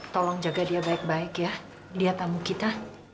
tolong jaga dia baik baik ya lihat tamu kita